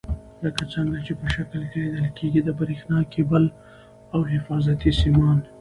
لکه څنګه چې په شکل کې لیدل کېږي د برېښنا کیبل او حفاظتي سیمان.